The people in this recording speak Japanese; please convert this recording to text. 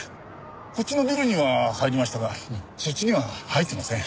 こっちのビルには入りましたがそっちには入ってません。